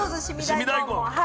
凍み大根。